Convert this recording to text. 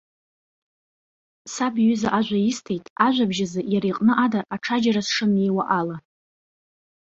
Саб иҩыза ажәа исҭеит, ажәабжь азы иара иҟны ада аҽаџьара сшымнеиуа ала.